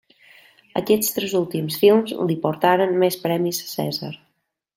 Aquests tres últims films li portaren més premis Cèsar.